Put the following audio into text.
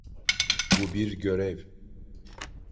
Bu bir görev.